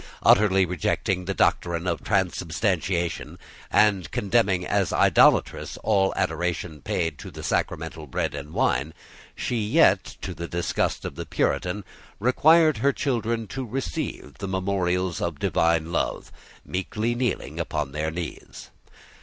Utterly rejecting the doctrine of transubstantiation, and condemning as idolatrous all adoration paid to the sacramental bread and wine, she yet, to the disgust of the Puritan, required her children to receive the memorials of divine love, meekly kneeling upon their knees.